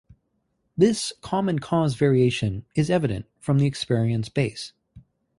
This "common-cause variation" is evident from the experience base.